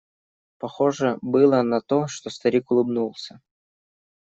Похоже было на то, что старик улыбнулся.